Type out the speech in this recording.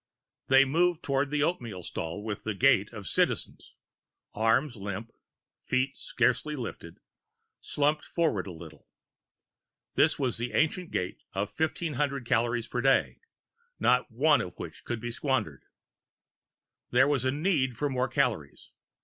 They moved toward the oatmeal stall with the gait of Citizens, arms limp, feet scarcely lifted, slumped forward a little. It was the ancient gait of fifteen hundred calories per day, not one of which could be squandered. There was a need for more calories.